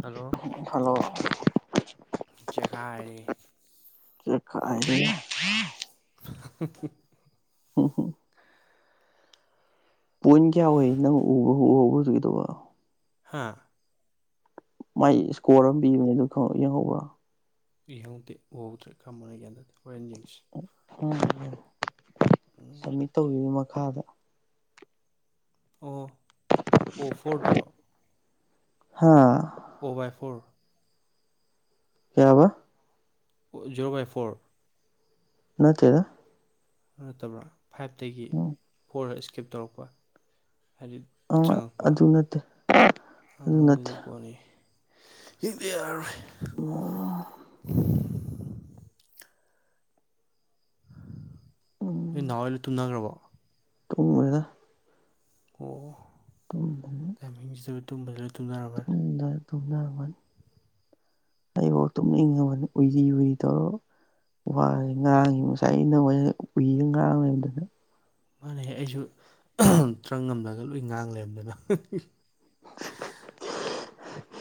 hello hello ꯆꯦꯈꯥꯏꯔꯦ ꯆꯦꯈꯥꯏꯔꯦꯍꯦ ꯍ ꯍꯨꯡ ꯍꯨꯡ ꯍꯨꯡ ꯍꯨꯡ ꯄꯣꯏꯟ ꯀꯌꯥ ꯑꯣꯏ ꯅꯪ ꯎꯕꯨꯨ ꯎꯍꯧ ꯎꯍꯧꯕ꯭ꯔꯣ ꯍꯧꯖꯤꯛꯀꯤꯗꯨꯕꯣ ꯍꯥꯥ ꯃꯥꯏ ꯏꯁꯀꯣꯔ ꯑꯃ ꯄꯤꯕꯅꯦ ꯑꯗꯨ ꯈꯪ ꯌꯦꯡꯍꯧꯕ꯭ꯔꯣ ꯏ ꯍꯪꯗꯦ ꯎꯍꯧꯗ꯭ꯔꯦ ꯀꯔꯝꯕꯅꯣ ꯑꯩ ꯒ꯭ꯌꯥꯟ ꯇꯥꯗꯦ ꯍꯣꯔꯦꯟ ꯌꯦꯡꯁꯦ ꯎꯝ ꯈꯪꯗꯦꯍꯥꯏꯔꯣ ꯎꯝ ꯁꯃꯤꯠ ꯇꯧꯒꯤꯕꯩ ꯃꯈꯥꯗ ꯑꯣ ꯍꯣ ꯑꯣ ꯐꯣꯔꯗꯨꯔꯣ ꯍꯥꯥ ꯑꯣꯕꯥꯏ ꯐꯣꯔ ꯀꯌꯥꯕ ꯑꯣ ꯖꯦꯔꯣ ꯕꯥꯏ ꯐꯣꯔ ꯅꯠꯇꯦꯗꯥ ꯑꯗꯨ ꯅꯠꯇꯕ ꯐꯥꯏꯚꯇꯒꯤ ꯎꯝ ꯐꯣꯔꯗ ꯏꯁꯀꯤꯞ ꯇꯧꯔꯛꯄ ꯍꯥꯏꯗꯤ ꯑꯪ ꯆꯪꯉꯛꯄ ꯑꯗꯨ ꯅꯠꯇꯦ ꯑꯪ ꯑꯗꯨ ꯅꯠꯇꯦ ꯑꯗꯨꯗꯤ ꯀꯣꯟꯅꯤ [unintelligible] ꯑꯣ ꯎꯝ ꯅꯣꯏ ꯅꯥꯎꯍꯣꯏꯗꯣ ꯇꯨꯝꯅꯈ꯭ꯔꯕꯣ ꯇꯨꯝꯒ꯭ꯔꯦꯗ ꯑꯣ [unintelligible] [unintelligible] ꯂꯣꯏꯅ ꯇꯨꯝꯅꯔꯝꯃꯅꯤ ꯑꯩꯕꯥꯎ ꯇꯨꯝꯅꯤꯡꯉꯕꯅꯤ ꯎꯏꯔꯤ ꯎꯏꯔꯤ ꯇꯧꯔꯛꯑ ꯋꯥꯁꯦ ꯉꯥꯡꯉꯤ ꯉꯁꯥꯏ [unintelligible] ꯎꯏꯔ ꯉꯥꯡꯉꯦꯕꯗꯨꯅ ꯃꯥꯟꯅꯦ ꯑꯩꯁꯨ ꯇ꯭ꯔꯪ ꯑꯝꯗꯒ ꯂꯣꯏ ꯉꯥꯡꯂꯩꯔꯝꯗꯅ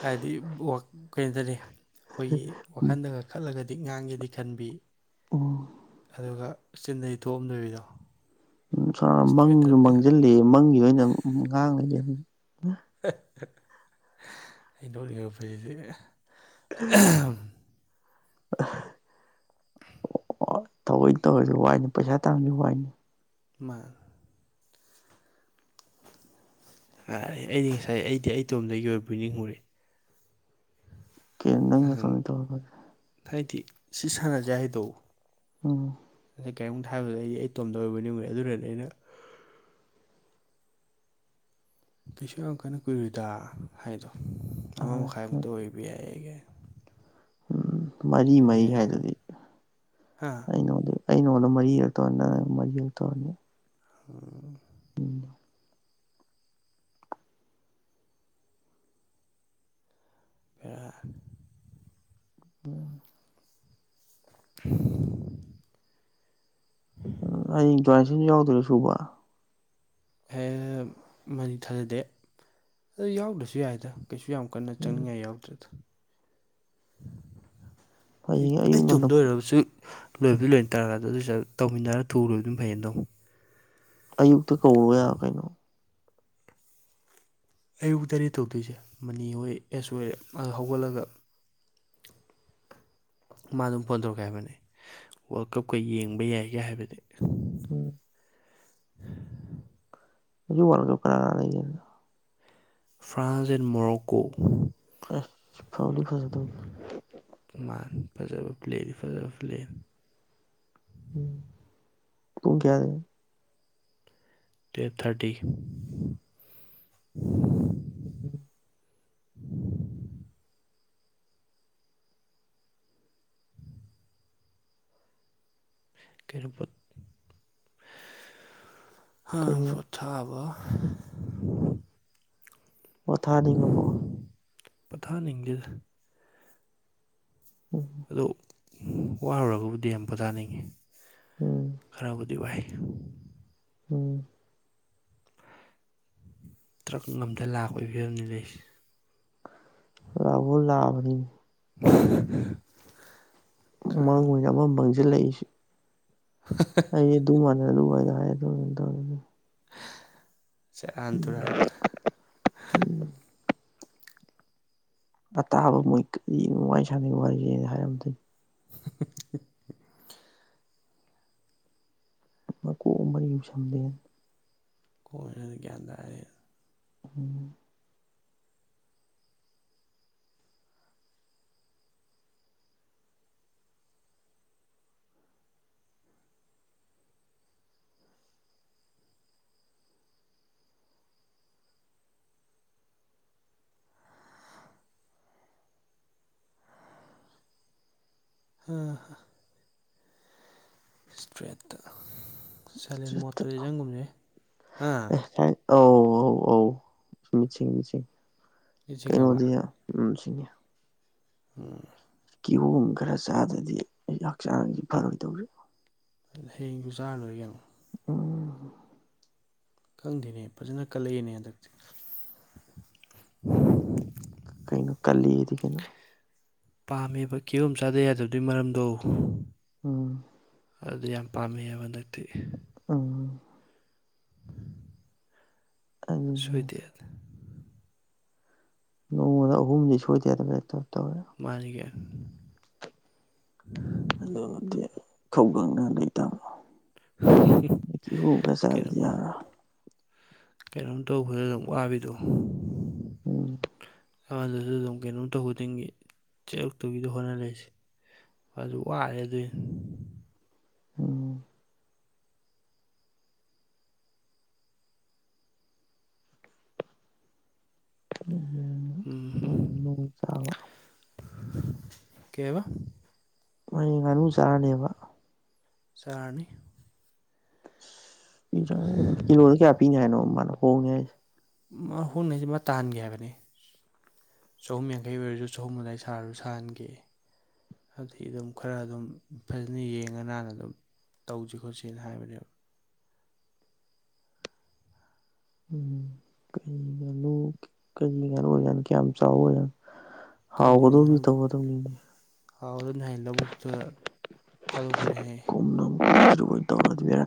ꯍꯥꯏꯗꯤ ꯀꯩꯅꯣꯗꯅꯤ ꯈꯣꯏꯒꯤ ꯋꯥꯈꯜꯗꯒ ꯈꯜꯂꯒꯗꯤ ꯉꯥꯡꯒꯦꯗꯤ ꯈꯟꯕꯤ ꯎꯝ ꯑꯗꯨꯒ ꯆꯤꯟꯗꯗꯤ ꯊꯣꯛꯑꯝꯗꯕꯤꯗꯣ ꯎ ꯁꯥ ꯏꯁꯇ꯭ꯔꯦꯠꯇ ꯃꯪꯁꯨ ꯑꯦ ꯃꯥꯡꯁꯤꯜꯂꯛ ꯑꯦ ꯃꯪꯒꯤ ꯑꯣꯏꯅ ꯉꯥꯡꯉꯗꯤ ꯑꯩ ꯅꯣꯛꯅꯤꯡꯉꯛꯄ ꯁꯤꯗꯤ [inaudible] ꯑꯣ ꯊꯧꯑꯣꯏꯅ ꯇꯧꯔꯁꯨ ꯋꯥꯏꯅꯤ ꯄꯩꯁꯥ ꯇꯥꯟꯕꯁꯨ ꯋꯥꯏꯅꯤ [unintelligible] ꯑꯩꯗꯤ ꯉꯁꯥꯏ ꯑꯩꯗꯤ ꯑꯩꯇꯣꯝꯗꯒꯤ ꯑꯣꯏꯕꯣꯏ ꯅꯤꯡꯉꯨꯔꯦ ꯀꯩꯅꯣ ꯅꯪ ꯅꯇꯣꯟꯗ ꯇꯧꯔꯕ ꯗꯤ ꯍꯥꯏꯗꯤ ꯁꯤ ꯁꯥꯟꯅꯁꯦ ꯍꯥꯏꯗꯣ ꯎꯝ ꯀꯩꯝꯍꯥꯏꯕꯗꯨꯗ ꯑꯩꯗꯤ ꯑꯩꯇꯣꯝꯗ ꯑꯣꯏꯔꯕꯣꯏꯅꯤꯡꯉꯨꯔꯦ ꯑꯗꯨ ꯑꯣꯏꯗꯅꯦ ꯑꯩꯅ ꯀꯩꯁꯨ ꯌꯥꯝ ꯀꯟꯅ ꯀꯨꯏꯔꯣꯏꯗ ꯍꯥꯏꯗꯣ ꯑꯃ ꯃꯈꯥꯏꯃꯨꯛꯇ ꯑꯣꯏꯕ ꯌꯥꯏ ꯀꯥꯏꯅ ꯎꯝ ꯃꯔꯤ ꯃꯔꯤ ꯍꯥꯏꯗꯨꯗꯤ ꯍꯥ ꯑꯩ ꯅꯪꯉꯣꯟꯗ ꯃꯔꯤꯔꯛ ꯇꯧꯔꯅꯤ ꯅꯪꯅ ꯑꯩꯉꯣꯟꯗ ꯃꯔꯤ ꯔꯛ ꯇꯧꯔꯅꯤ [inaudible] ꯎꯝ ꯍꯦꯔꯥ ꯎꯝ [inaudible] ꯑꯩ [unintelligible] ꯌꯥꯎꯗꯨꯏꯔꯣ ꯁꯨꯕ ꯍꯦ ꯃꯥꯗꯤ ꯊꯥꯖꯗꯦ ꯑꯗꯨ ꯌꯥꯎꯗ꯭ꯔꯁꯨ ꯌꯥꯏꯗ ꯀꯩꯁꯨ ꯌꯥꯝ ꯀꯟꯅ ꯎꯝ ꯆꯪꯅꯤꯡꯉꯥꯏ ꯌꯥꯎꯗ꯭ꯔꯦꯗ ꯍꯌꯦꯡ ꯑꯌꯨꯛ ꯑꯩ ꯉꯟꯅ ꯇꯣꯝꯗ ꯑꯣꯏꯔꯒꯁꯨ ꯂꯣꯏꯕꯗꯤ ꯂꯣꯏ ꯇꯥꯔꯒ ꯑꯗꯣꯏꯁꯨ ꯇꯧꯃꯤꯟꯅꯔ ꯊꯨꯅ ꯂꯣꯏꯕꯗꯨꯅ ꯐꯩꯌꯦ ꯇꯧ ꯑꯌꯨꯛꯇ ꯀꯧꯔꯣ ꯌꯥ ꯀꯩꯅꯣ ꯑꯌꯨꯛꯇꯅꯦ ꯇꯧꯗꯣꯏꯁꯦ ꯃꯅꯤ ꯍꯣꯏ ꯑꯦꯁ ꯍꯣꯏ ꯍꯧꯒꯠꯂꯒ ꯃꯥ ꯑꯗꯨꯝ ꯐꯣꯟ ꯇꯧꯔꯛꯀꯦ ꯍꯥꯏꯕꯅꯤ ꯋꯥꯔꯜ ꯀꯞꯀ ꯌꯦꯡꯕ ꯌꯥꯏꯒꯦ ꯍꯥꯏꯕꯗꯤ ꯎꯝ ꯉꯁꯤ ꯋꯥꯜꯀꯞ ꯀꯅꯥ ꯀꯅꯥ ꯂꯩꯒꯦ ꯐ꯭ꯔꯥꯟꯁ ꯑꯦꯟ ꯃꯣꯔꯣꯛꯀꯣ ꯑꯦ ꯐꯥꯕꯗꯤ ꯐꯖꯗꯧꯔꯤ ꯃꯥꯟꯕꯤ ꯐꯖꯕ ꯄ꯭ꯂꯦꯗꯤ ꯐꯖꯕ ꯄ꯭ꯂꯦꯅꯤ ꯎꯝ ꯄꯨꯡ ꯀꯌꯥꯗ ꯇꯨꯋꯦꯜꯕ ꯊꯥꯔꯇꯤ [inaudible] ꯀ ꯑ ꯀꯩꯅꯣ ꯐꯠ [unintelligible] ꯁꯥꯕ ꯄꯣꯊꯥꯅꯤꯡꯉꯕꯣ ꯄꫭꯊꯥ ꯅꯤꯡꯗꯦꯗ ꯎꯝ ꯑꯗꫭ ꯋꯥꯔꯨꯔꯒꯕꯨꯗꯤ ꯌꯥꯝ ꯄꯣꯊꯥꯅꯤꯡꯉꯤ ꯎꯝ ꯈꯔꯕꯨꯗꯤ ꯋꯥꯏ ꯎꯝ ꯇ꯭ꯔꯛ ꯉꯝꯇ ꯂꯥꯛꯄꯒꯤ ꯐꯤꯕꯝꯅꯤ ꯂꯩꯔꯤꯁꯦ ꯂꯥꯛꯄꯨ ꯂꯥꯛꯑꯕꯅꯤ [unintelligible] ꯎꯃꯥꯡ ꯀꯥꯡ ꯑꯣꯏꯅ ꯑꯃ ꯃꯥꯡꯁꯤꯜꯂꯛꯏꯁꯦ ꯍ [unintelligible] ꯑꯩ ꯑꯗꯨꯃꯥꯟꯅ ꯗꯨꯕꯥꯏꯗ ꯍꯥꯏꯔ ꯑꯗꯨ ꯇꯧꯔ ꯁꯦꯔꯥꯟ ꯇꯨꯔꯥꯟ ꯑ ꯇꯥꯕ ꯃꯣꯏ ꯀꯔꯤ ꯅꯨꯡꯉꯥꯏ ꯁꯥꯟꯅꯩ ꯋꯥꯔꯤꯁꯦꯅ ꯍꯥꯏꯔꯝꯗꯣꯏꯅꯤ [unintelligible] ꯃꯀꯣꯛ ꯃꯔꯤ ꯑꯝ ꯁꯝꯗꯦꯅ ꯀꯣꯟꯅ ꯒꯥꯟꯇꯥꯔꯦ ꯎꯝ ꯍ [unintelligible] ꯏꯁꯇ꯭ꯔꯦꯠꯇ ꯁꯥꯏꯂꯦꯟ ꯃꯣꯠꯇꯨꯗꯤ ꯅꯪꯒꯨꯝꯅꯦ ꯍꯥ ꯑꯧ ꯑꯧ ꯑꯧ ꯃꯤꯆꯤꯡ ꯃꯤꯆꯤꯡ ꯅꯤꯡꯁꯤꯡꯉꯕ ꯀꯩꯅꯣꯗꯤ ꯎꯝꯁꯤꯡꯉ ꯎꯝ ꯀꯤꯍꯣꯝ ꯈꯔ ꯆꯥꯗ꯭ꯔꯗꯤ ꯑꯩ ꯍꯛꯆꯥꯡꯁꯤ ꯐꯔꯣꯏꯗꯧꯔꯤ ꯍꯌꯦꯡꯖꯨ ꯆꯥꯔꯂꫭꯏꯔꯦ ꯀꯩꯅꯣ ꯎꯝ ꯈꯪꯗꯦꯅꯦ ꯐꯖꯅ ꯀꯜꯂꯛꯑꯦꯅꯦ ꯍꯟꯗꯛꯇꯤ ꯀꯩꯅꯣ ꯀꯜꯂꯤꯗꯤ ꯀꯩꯅꯣ ꯄꯥꯝꯃꯦꯕ ꯀꯤꯍꫭꯝ ꯆꯥꯗ ꯌꯥꯗꯕꯗꯨꯏ ꯃꯔꯝꯗꯣ ꯎꯝ ꯑꯗꯨ ꯌꯥꯝ ꯄꯥꯝꯃꯛꯑꯦꯕ ꯍꯟꯗꯛꯇꯤ ꯎꯝ ꯑꯗꯨꯅꯦ ꯍꯥꯏꯁꯦ ꯁꯨꯏꯗꯦꯠ ꯅꯣꯡꯃꯗ ꯑꯍꯨꯝꯗꯤ ꯁꯣꯏꯗꯌꯥꯗꯕꯅꯤꯅ ꯇꯠꯇꫭꯔꯦ ꯃꯥꯅꯤꯒ ꯑꯗꯨ ꯅꯗꯤ ꯈꯧꯒꯪ ꯅꯔꯦ ꯇꯥꯃꫭ ꯀꯤꯍꫭꯝ ꯈꯔ ꯀꯩꯅꯣ ꯆꯥꯔꯖꯤ ꯍꯥꯏꯔꫭ ꯀꯩꯅꯣꯝ ꯇꯧꯕꯗ ꯑꯗꯨꯝ ꯋꯥꯕꯤꯗꯣ ꯎꯝ ꯑꯝꯃꯗꯨꯁꯨ ꯑꯗꯨꯝ ꯀꯩꯅꯣꯝ ꯇꯧ ꯈꯨꯗꯤꯡꯒꯤ ꯆꯦꯜꯂꯛꯇꯧꯒꯤꯗ ꯍꯣꯠꯅꯂꯩꯁꯤ ꯃꯥꯖꯨ ꯋꯥꯔꯦ ꯑꯗꯨꯏꯅꯤ ꯎꯝ ꯎꯝꯝ [unintelligible] ꯎꯝ ꯀꯩꯕ ꯃꯣꯏ ꯉꯥꯅꯨ ꯆꯥꯔꯅꯦꯕ ꯆꯥꯔꯅꯤ ꯀꯤꯂꯣꯗ ꯀꯌꯥ ꯄꯤꯅꯤ ꯍꯥꯏꯅꯣ ꯃꯥꯅ ꯍꯣꯡꯉ ꯍꯥꯏꯁꯦ ꯃꯥ ꯍꫭꯡꯅꯤ ꯍꯥꯏꯁꯦ ꯃꯥ ꯇꯥꯍꯟꯒꯦ ꯍꯥꯏꯕꯅꯦ ꯆꯍꯨꯝ ꯌꯥꯡꯈꯩ ꯑꯣꯏꯔꯖꯨ ꯆꯍꯨꯝ ꯑꯗꯥꯏ ꯁꯥꯔꯁꯨ ꯁꯥꯍꯟꯒꯦꯌꯦ ꯑꯗꯨꯗꯤ ꯑꯗꯨꯝ ꯈꯔ ꯑꯗꯨꯝ ꯐꯖꯅ ꯌꯦꯡꯉ ꯅꯥꯟꯅ ꯑꯗꯨꯝ ꯇꯧꯁꯤ ꯈꯣꯠꯁꯅ ꯍꯥꯏꯕꯅꯦꯕ ꯎꯝ ꯀ ꯀ ꯀꯩ ꯀꯖꯅꯤ ꯀ ꯆ ꯑꯣꯏꯖ ꯍꯥꯎ ꯎꯗꯣ ꯇ ꯑꯣ ꯑꯗꯨꯅꯤ ꯑꯥꯎ ꯑꯗꯨꯅ ꯍꯥꯏꯌꯦ ꯂꯧꯕꯨꯛꯇ ꯊꯥꯗꯣꯛꯄꯅꯦ ꯍꯥꯏꯌꯦ ꯔꯤꯔ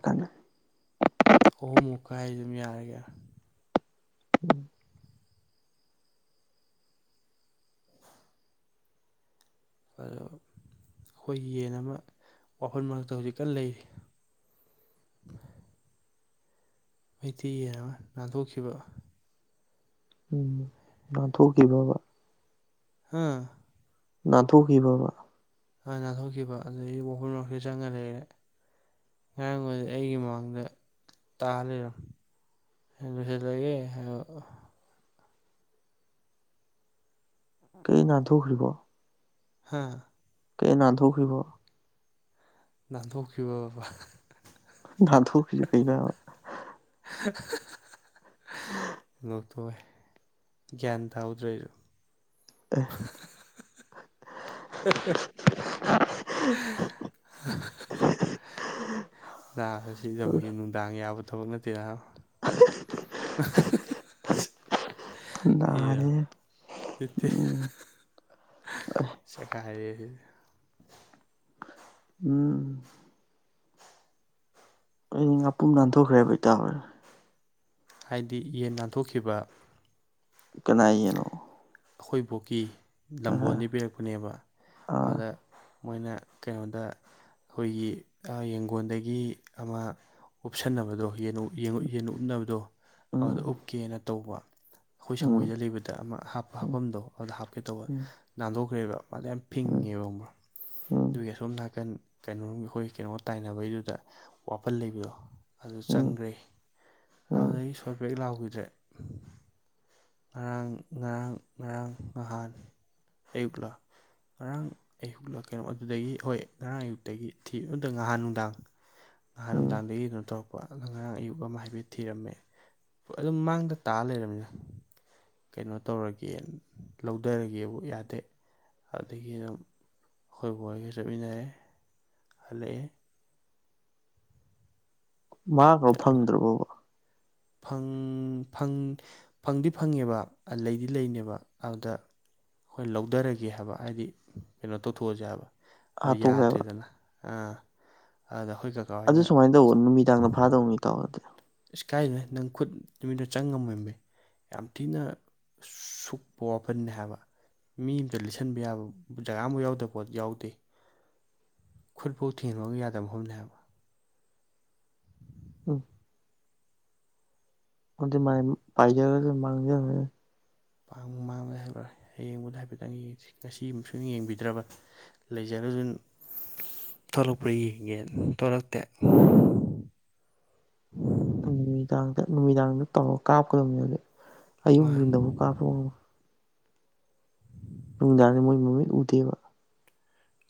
ꯑꯍꯨꯝ ꯑꯃꯨꯛꯀꯥꯏ ꯑꯩ ꯑꯗꯨꯝ ꯌꯥꯔꯒꯦ ꯎꯝ ꯑꯗꯣ ꯑꯩꯈꯣꯏ ꯌꯦꯟ ꯑꯃ ꯋꯥꯈꯜ ꯃꯔꯛꯇ ꯍꯧꯖꯤꯛꯀ ꯂꯩꯔꯤ ꯃꯩꯇꯩ ꯍꯥꯏꯅ ꯅꯥꯟꯊꯣꯛꯈꯤꯕ ꯎꯝ ꯅꯥꯟꯊꯣꯛꯈꯤꯕ ꯍꯥꯥ ꯅꯥꯟꯊꯣꯛꯈꯤꯕꯕ ꯍꯥꯟ ꯅꯥꯟꯊꯣꯛꯈꯤꯕ ꯑꯗꯨꯗꯒꯤ ꯃꯈꯣꯏ ꯃꯔꯁ ꯆꯪꯉ ꯂꯩꯔꯦ ꯉꯔꯥꯡꯈꯗꯤ ꯑꯩꯒꯤ ꯃꯃꯥꯡꯗ ꯇꯥꯍꯜꯂꯤꯔꯣ ꯗꯁ ꯂꯒꯦ ꯀꯩ ꯅꯥꯙꯨꯈꯔꯤꯕ ꯍꯥꯥ ꯀꯩ ꯅꯥꯊꯣꯛꯈꯤꯕ ꯅꯥꯟꯊꯣꯛꯈꯤꯕ ꯕꯕꯥ ꯥꯟꯊꯣꯛꯈꯁꯨ ꯀꯩꯅꯕ [inaudible] ꯂꯧꯣꯛꯇꯣꯛꯦ ꯒ꯭ꯌꯥꯟ ꯇꯥꯍꯧꯗ꯭ꯔꯦꯁꯨ ꯑ [inaudible] ꯎꯝ ꯥ ꯑꯦ ꯁꯤꯖꯕꯒꯤ ꯅꯨꯡꯗꯥꯡ ꯌꯥꯕ ꯊꯕꯛ ꯅꯠꯇꯦꯔ ꯑꯦ ꯅꯥꯔꯦꯍꯦ ꯁꯤꯇ ꯎꯝ ꯆꯦꯈꯥꯏ ꯎꯝ ꯑꯩ ꯉꯥꯄꯨꯝ ꯅꯥꯟꯊꯣꯛꯈ꯭ꯔꯦꯕ ꯏꯇꯥꯥꯔꯦ ꯍꯥꯏꯗꯤ ꯌꯦꯟ ꯅꯥꯟꯊꯣꯛꯈꯤꯕ ꯀꯅꯥꯏ ꯌꯦꯟꯅꯣ ꯑꯩꯈꯣꯏ ꯕꯣꯛꯀꯤ ꯑꯍ ꯂꯝꯝꯕꯣꯟꯗꯩꯩ ꯄꯤꯔꯛꯄꯅꯦꯕ ꯑꯥ ꯑꯗꯨꯗ ꯃꯣꯏꯅ ꯀꯩꯅꯣꯗ ꯑꯩꯈꯣꯏꯒꯤ ꯌꯦꯡꯒꯣꯟꯗꯒꯤ ꯑꯃ ꯎꯞꯁꯟꯅꯕꯗꯣ ꯌꯦꯟ ꯌꯦꯟ ꯎꯞꯅꯕꯗꯣ ꯎꯝ ꯑꯗꯨꯗ ꯎꯞꯀꯦꯅ ꯇꯧꯕ ꯑꯩꯈꯣꯏ ꯎꯝ ꯁꯪꯒꯣꯏꯗ ꯂꯩꯕꯗ ꯑꯃ ꯍꯥꯞ ꯍꯥꯞꯐꯝꯗꯣ ꯑꯗꯨꯗ ꯍꯥꯞꯀꯦ ꯇꯧꯕ ꯎꯝ ꯅꯥꯟꯊꯣꯛꯈ꯭ꯔꯦꯕ ꯃꯥꯗꯣ ꯌꯥꯝ ꯐꯤꯡꯉꯦꯕ ꯈꯪꯕ꯭ꯔꯥ ꯑ ꯑꯗꯨꯒꯤ ꯑꯁꯣꯝ ꯅꯥꯀꯟ ꯀꯩꯅꯣꯔꯣꯝꯒꯤ ꯑꯩꯈꯣꯏ ꯀꯩꯅꯣꯒ ꯇꯥꯏꯅꯕꯩꯗꯨꯗ ꯋꯥꯄꯜ ꯂꯩꯕꯗꯣ ꯑꯗꯨꯗ ꯎꯝ ꯎꯝ ꯆꯪꯒ꯭ꯔꯦ ꯎꯝ ꯑꯗꯨꯗꯒꯤ ꯁꯣꯠ ꯕꯦꯛ ꯂꯥꯎꯈꯤꯗ꯭ꯔꯦ ꯉꯔꯥꯡ ꯉꯔꯥꯡ ꯉꯔꯥꯡ ꯉꯍꯥꯟ ꯑꯌꯨꯛꯂ ꯉꯔꯥꯡ ꯑꯌꯨꯛꯂ ꯀꯩꯅꯣ ꯑꯗꯨꯗꯒꯤ ꯍꯣꯏ ꯉꯔꯥꯡ ꯑꯌꯨꯛꯇꯒꯤ ꯊꯤꯕ ꯅꯠꯇꯦ ꯉꯍꯥꯟ ꯅꯨꯡꯗꯥꯡ ꯉꯍꯥꯟ ꯎꯝ ꯅꯨꯡꯗꯥꯥꯡꯗꯒꯤ ꯀꯩꯅꯣ ꯇꯧꯔꯛ ꯄꯣ ꯑꯔꯥꯡ ꯑꯌꯨꯛ ꯑꯃ ꯍꯥꯏꯐꯦꯠ ꯊꯤꯔꯝꯃꯦ ꯑꯗꯨꯝ ꯃꯥꯡꯗ ꯇꯥ ꯂꯩꯔꯝꯃꯤꯅ ꯀꯩꯅꯣ ꯇꯧꯔꯒꯦ ꯂꯧꯊꯔꯒꯦꯕꯨ ꯌꯥꯗꯦ ꯑꯗꯨꯗꯒꯤ ꯑꯗꯨꯝ ꯑꯩꯈꯣꯏ ꯕꯣꯛꯍꯣꯏꯒ ꯆꯠꯃꯤꯟꯅꯔꯦ ꯍꯜꯂꯛꯑꯦ ꯃꯥꯡꯈ꯭ꯔꯕꯣ ꯆꯠꯂꯨꯔꯦ ꯐꯪꯗ꯭ꯔꯕꯣꯕ ꯐꯪ ꯐꯡ ꯐꯪꯗꯤ ꯐꯪꯉꯦꯕ ꯂꯩꯗꯤ ꯂꯩꯅꯦꯕ ꯑꯗꯨꯗ ꯑꯩꯈꯣꯏ ꯂꯧꯊꯔꯒꯦ ꯍꯥꯏꯕ ꯍꯥꯏꯗꯤ ꯀꯩꯅꯣ ꯇꯧꯊꯣꯛꯑꯁꯦ ꯍꯥꯏꯕ ꯍꯥꯠꯇꯣꯛꯈ꯭ꯔꯦ ꯍꯥꯏꯕ ꯌꯥꯗ꯭ꯔꯦꯗꯅ ꯑꯥ ꯑꯗꯨꯗ ꯑꯩꯈꯣꯏ ꯀꯥꯛ ꯑꯗꯨ ꯁꯨꯃꯥꯏꯅ ꯇꯧꯑꯣ ꯅꯨꯃꯤꯗꯥꯡꯗ ꯐꯥꯗꯧꯅꯤ ꯏꯇꯥꯎ ꯑꯗꯨꯗꯤ ꯏꯁ ꯀꯥꯏꯗꯩꯅꯣꯍꯦ ꯅꯪ ꯈꯨꯠ ꯅꯨꯃꯤꯠꯇ ꯆꯪ ꯉꯝꯃꯣꯏꯃꯦ ꯌꯥꯝ ꯊꯤꯅ ꯁꯨꯛꯄ ꯋꯥꯄꯜꯅꯤ ꯍꯥꯏꯕ ꯃꯤ ꯑꯝꯇ ꯂꯤꯠꯁꯟꯕ ꯌꯥꯕ ꯖꯒꯥ ꯑꯃꯥꯎ ꯌꯥꯎꯗꯕ ꯄꯣꯠ ꯌꯥꯎꯗꯦ ꯈꯨꯠꯐꯥꯎ ꯊꯤꯡꯖꯟꯕ ꯌꯥꯗꯕ ꯝꯐꯝꯅꯦ ꯍꯥꯏꯕ ꯎꯝ ꯃꯗꯨꯗꯤ ꯃꯥꯤ ꯄꯥꯏꯖꯒ꯭ꯔ꯭ꯖꯅꯨ ꯃꯥꯥꯡꯖꯒ꯭ꯔꯥꯖꯅꯨ ꯃꯥꯡ ꯃꯥꯡꯕ ꯌꯥꯍꯜꯂꯣꯏ ꯍꯌꯦꯡꯕꯨꯗꯤ ꯍꯥꯏꯐꯦꯠꯇꯪ ꯌꯦꯡꯁꯤ ꯉꯁꯤꯃꯥ ꯁꯨꯡꯌꯦꯡ ꯌꯦꯡꯕꯤꯗ꯭ꯔꯕꯅꯤ ꯂꯩꯖꯔꯖꯅꯨ ꯊꯣꯛꯂꯛꯄ꯭ꯔꯥ ꯌꯦꯡꯒꯦꯅꯥ ꯊꯣꯛꯂꯛꯇꯦ ꯅꯨꯃꯤꯗꯥꯡꯗ ꯅꯨꯃꯤꯗꯥꯡꯗ ꯇꯧꯔ ꯀꯥꯞꯀꯗꯕꯅꯦ ꯑꯌꯨꯛ ꯃꯥꯅ ꯅꯨꯗꯤꯟꯗꯕꯨ ꯀꯥꯞ ꯅꯨꯡꯗꯥꯡꯗꯤ ꯃꯣꯏ ꯃꯃꯤꯠ ꯎꯗꯦꯕ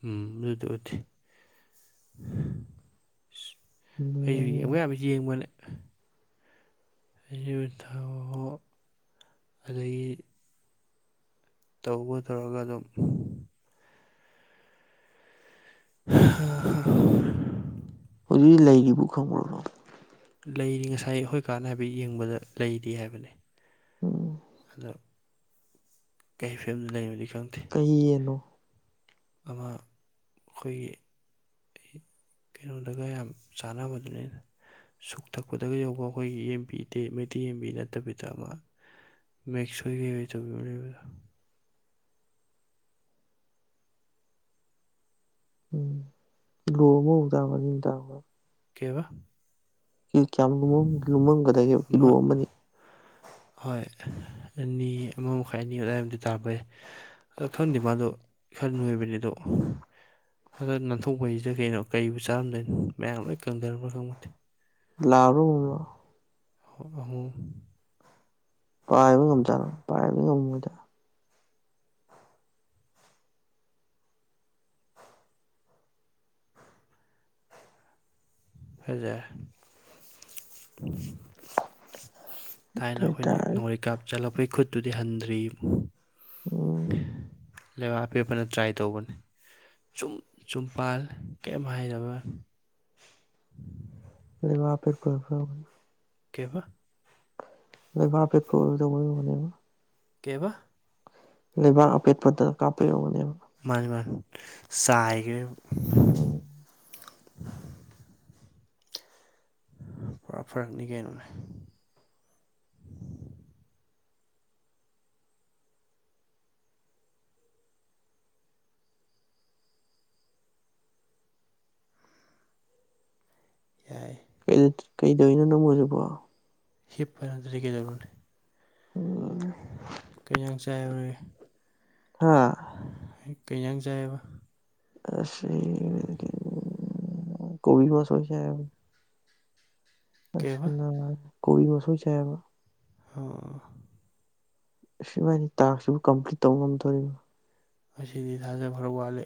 ꯎꯝ ꯑꯗꯨꯗꯗꯤ ꯎꯗꯦ ꯏꯁ ꯑꯩ ꯌꯦꯡꯕ ꯌꯕꯥ ꯌꯦꯡꯕꯅꯦ ꯌꯨ ꯊꯛꯑꯣ ꯑꯗꯒꯤ ꯇꯧꯕ ꯇꯧꯔꯒ ꯑꯗꯨꯝ ꯑ ꯍꯧꯖꯤꯛ ꯂꯩꯔꯤꯕꯨ ꯈꯪꯕ꯭ꯔꯣ ꯂꯩꯔꯤ ꯉꯁꯥꯏ ꯑꯩꯈꯣꯏ ꯀꯥꯅ ꯍꯥꯏꯐꯦꯠ ꯌꯦꯡꯕꯗ ꯂꯩꯔꯤ ꯍꯥꯏꯕꯅꯦ ꯎꯝ ꯑꯗꯣ ꯀꯩ ꯐꯤꯕꯝꯗ ꯂꯩꯕꯅꯣꯗꯤ ꯈꯪꯗꯦ ꯀꯩ ꯌꯦꯟꯅꯣ ꯑꯃ ꯑꯩꯈꯣꯏꯒꯤ ꯀꯩ ꯀꯩꯅꯣꯗꯒ ꯌꯥꯝ ꯆꯥꯟꯅꯕꯗꯨꯅꯤꯅꯦ ꯁꯨꯛ ꯊꯛꯄꯗꯒ ꯌꯧꯕ ꯑꯩꯈꯣꯏꯒꯤ ꯌꯦꯡꯕꯤ ꯃꯩꯇꯩ ꯌꯦꯟꯕꯤ ꯅꯠꯇꯕꯤꯗ ꯑꯃ ꯃꯦꯛꯁ ꯑꯣꯏꯒꯦ ꯑꯣꯏ ꯇꯧꯕꯤꯌꯣꯅꯦꯕꯗꯣ ꯎꯝ ꯀꯤꯂꯣ ꯑꯃꯃꯨꯛ ꯇꯥꯕ꯭ꯔꯣ ꯑꯅꯤꯃꯨꯛ ꯇꯥꯕ꯭ꯔꯣ ꯀꯩꯑꯕꯥꯥ ꯀꯤ ꯀ꯭ꯌꯥꯝ ꯂꯨꯝꯃꯝ-ꯂꯨꯝꯃꯝꯒꯗꯒꯦꯕ ꯀꯤꯂꯣ ꯑꯃ ꯑꯃꯅꯤ ꯍꯣꯏ ꯑꯅꯤ ꯑꯃ ꯃꯈꯥꯏ ꯑꯅꯤ ꯑꯗꯨꯋꯥꯏꯝꯇꯤ ꯇꯥꯔꯝꯕ ꯌꯥꯏ ꯑ ꯈꯪꯗꯦ ꯃꯥꯗꯣ ꯈ ꯅꯣꯏꯕꯅꯤ ꯗꯣ ꯈꯒ ꯅꯥꯟꯊꯣꯛꯄꯖꯤꯗ ꯀꯩꯅꯣ ꯀꯩꯕꯨ ꯆꯥꯔꯝꯗꯣꯏꯅꯣ ꯃꯌꯥꯡ ꯂꯣꯏ ꯀꯪꯗꯔꯝꯕ꯭ꯔꯥ ꯈꯪꯄꯣꯠꯇꯦ ꯂꯥꯕꯔꯣ ꯑꯃꯣꯝꯂꯣ ꯑ-ꯑꯃꯣꯝ ꯄꯥꯏꯕ ꯉꯝꯖꯥꯠꯂꯣ ꯄꯥꯏꯕ ꯉꯝꯃꯣꯏꯗ [inaudible] ꯍꯖꯦ ꯑꯗꯨ ꯊꯥꯏꯅ ꯑꯩꯈꯣꯏꯅ ꯑꯣꯏꯇꯥꯔꯗꯤ ꯅꯥꯎꯔꯤ ꯀꯥꯞ ꯆꯠꯂꯛꯄꯩ ꯈꯨꯠꯇꯨꯗꯤ ꯍꯟꯗ꯭ꯔꯤ ꯎꯝ ꯂꯩꯕꯥꯛ ꯑꯄꯦꯠꯄꯅ ꯇ꯭ꯔꯥꯏ ꯇꯧꯕꯅꯦ ꯆꯨꯝ ꯆꯨꯝ ꯄꯥꯜꯂꯦ ꯀꯦꯝ ꯍꯥꯏꯗꯕ ꯂꯩꯕꯥꯛ ꯑꯄꯦꯠꯄꯒ ꯈꯪ ꯀꯩ ꯑꯕ ꯂꯩꯕꯥꯛ ꯑꯄꯦꯠꯄ ꯑꯣꯏ [unintelligible] ꯀꯩ ꯑꯕ ꯂꯩꯕꯥꯛ ꯑꯄꯦꯠꯄꯗ ꯀꯥꯞꯄꯩ ꯑꯣꯏꯌꯝꯒꯅꯦꯕ ꯃꯥꯅꯤ ꯃꯥꯟ ꯆꯥꯏꯒ꯭ꯔꯦꯕ ꯎꯝ ꯄꯨꯔꯥ ꯐꯔꯛꯅꯤ ꯀꯩꯅꯣꯅꯦ ꯌꯥꯏ ꯀꯩ ꯀꯩꯗꯧꯏꯅꯣ ꯅꯪꯕꯣ ꯍꯧꯖꯤꯛꯄꯣ ꯍꯤꯞꯄ ꯅꯠꯇ꯭ꯔꯗꯤ ꯀꯩꯗꯧꯔꯨꯅꯤ ꯎꯝ ꯀꯩꯖꯥꯡ ꯆꯥꯏ ꯔꯦ ꯍꯥ ꯀꯩꯌꯖꯥꯡ ꯆꯥꯏꯑꯦꯕ ꯑꯁ ꯑꯩ ꯀꯩꯅꯣ ꯀꯣꯕꯤ ꯕꯁꯣꯏ ꯆꯥꯏ ꯍꯥꯏꯕꯅꯦ ꯑꯁ ꯀꯩꯕ ꯅꯪꯍ ꯀꯣꯕꯤ ꯃꯁꯣꯏ ꯆꯥꯏꯑꯦꯕ ꯑꯥ ꯏꯁ ꯏꯕꯥꯅꯤ ꯇꯥꯛꯁꯁꯤꯕꯨ ꯀꯝꯄ꯭ꯂꯤꯠ ꯇꯧ ꯉꯝꯗꯣꯔꯤꯕ ꯑꯁꯤꯗꯤ ꯊꯥꯖꯕ ꯈꯔ ꯋꯥꯠꯂꯤ